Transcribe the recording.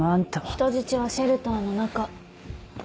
人質はシェルターの中。